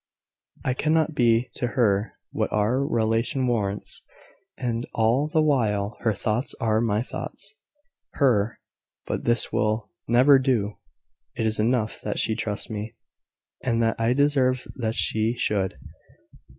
I cannot even be to her what our relation warrants. And all the while her thoughts are my thoughts; her... But this will never do. It is enough that she trusts me, and that I deserve that she should.